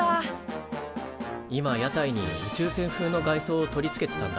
今屋台に宇宙船風の外装を取り付けてたんだ。